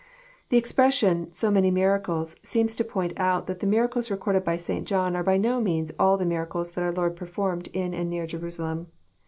The expression, So many miracles," seems to point out that the miracles recorded by St. John are by no means all the mira cles that our Lord performed in and near Jerusalem.